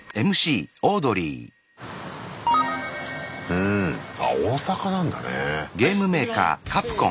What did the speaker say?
うんあ大阪なんだね。